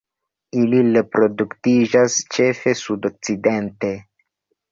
Ili reproduktiĝas ĉefe sudokcidente.